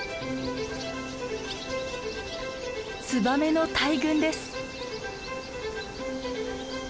ツバメの大群です。